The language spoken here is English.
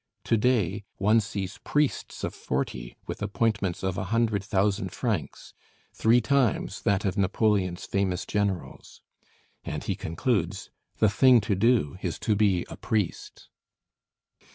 Today one sees priests of forty with appointments of a hundred thousand francs, three times that of Napoleon's famous generals;" and he concludes, "The thing to do is to be a priest."